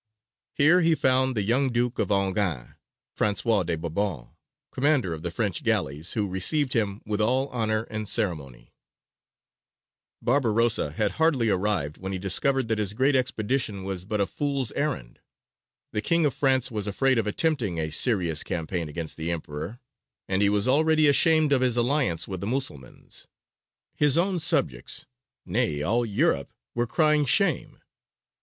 Here he found the young Duke of Enghien, François de Bourbon, commander of the French galleys, who received him with all honour and ceremony. [Illustration: GALLEY AT ANCHOR. (Jurien de la Gravière.)] Barbarossa had hardly arrived when he discovered that his great expedition was but a fool's errand. The King of France was afraid of attempting a serious campaign against the Emperor, and he was already ashamed of his alliance with the Musulmans: his own subjects nay, all Europe were crying shame.